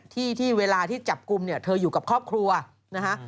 ที่เวลาที่จับกลุ่มเนี่ยเธออยู่กับครอบครัวนะฮะ